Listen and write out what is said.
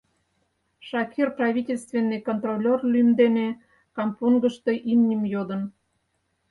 Шакир правительственный контролёр лӱм дене кампонгышто имньым йодын.